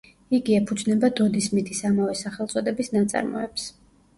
იგი ეფუძნება დოდი სმითის ამავე სახელწოდების ნაწარმოებს.